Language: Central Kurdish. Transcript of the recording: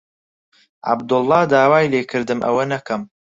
عەبدوڵڵا داوای لێ کردم ئەوە نەکەم.